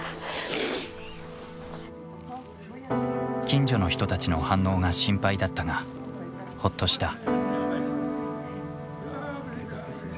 近所の人たちの反応が心配だったがホッとした。